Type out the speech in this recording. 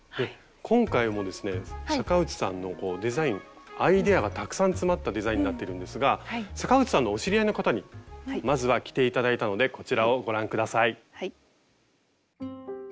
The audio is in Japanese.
今回もですね坂内さんのデザインアイデアがたくさん詰まったデザインになってるんですが坂内さんのお知り合いの方にまずは着て頂いたのでこちらをご覧下さい。